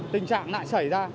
tình trạng lại xảy ra